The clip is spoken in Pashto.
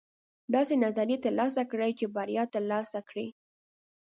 داسې نظریې ترلاسه کړئ چې بریا ترلاسه کړئ.